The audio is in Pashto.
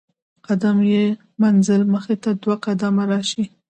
قدم له ئې منزل مخي له دوه قدمه راشي